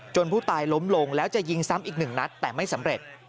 ผู้ตายล้มลงแล้วจะยิงซ้ำอีกหนึ่งนัดแต่ไม่สำเร็จ